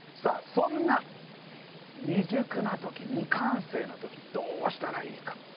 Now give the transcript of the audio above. さあそんな未熟な時未完成な時どうしたらいいか。